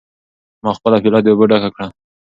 ما خپله پیاله د اوبو ډکه کړه.